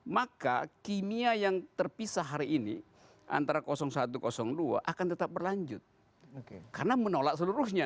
maka kimia yang terpisah hari ini antara satu dua akan tetap berlanjut karena menolak seluruhnya